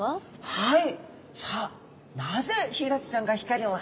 はい。